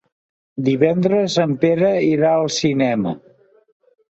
Divendres en Pere irà al cinema.